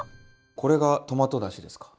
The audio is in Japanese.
これがトマトだしですか。